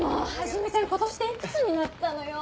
今年でいくつになったのよ。